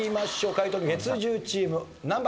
解答権月１０チーム何番？